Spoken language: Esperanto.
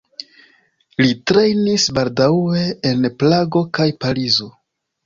Li trejnis baldaŭe en Prago kaj Parizo.